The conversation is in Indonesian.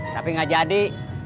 tapi gak jadi